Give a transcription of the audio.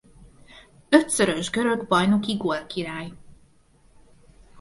Ötszörös görög bajnoki gólkirály.